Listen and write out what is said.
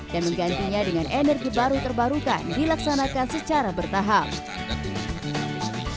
dan menggantinya dengan energi baru terbarukan dilaksanakan secara bertahap